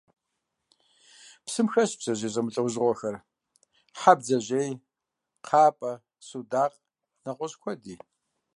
Псым хэсщ бдзэжьей зэмылӀэужьыгъуэхэр: хьэбдзэжъей, кхъапӀэ, судакъ, нэгъуэщӀ куэди.